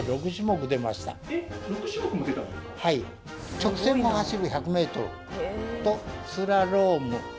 直線を走る１００ｍとスラローム